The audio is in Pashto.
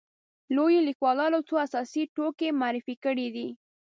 لویو لیکوالو څو اساسي توکي معرفي کړي دي.